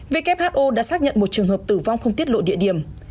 who đã xác nhận một trường hợp tử vong không tiết lộ địa điểm